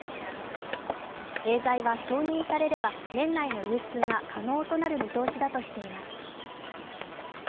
エーザイは承認されれば年内の流通が可能となる見通しだとしています。